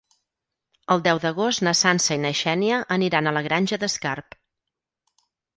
El deu d'agost na Sança i na Xènia aniran a la Granja d'Escarp.